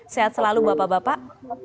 sehat selalu bapak bapak